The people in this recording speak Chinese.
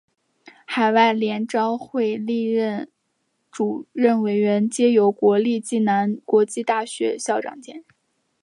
海外联招会历届主任委员皆由国立暨南国际大学校长兼任。